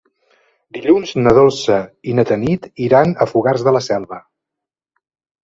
Dilluns na Dolça i na Tanit iran a Fogars de la Selva.